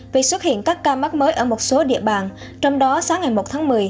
vì xuất hiện các ca mắc mới ở một số địa bàn trong đó sáng ngày một tháng một mươi